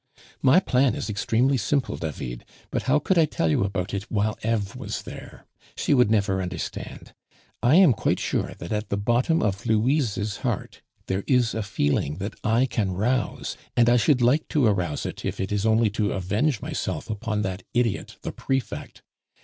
"My plan is extremely simple, David; but how could I tell you about it while Eve was there? She would never understand. I am quite sure that at the bottom of Louise's heart there is a feeling that I can rouse, and I should like to arouse it if it is only to avenge myself upon that idiot the prefect.